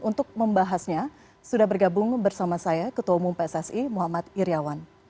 untuk membahasnya sudah bergabung bersama saya ketua umum pssi muhammad iryawan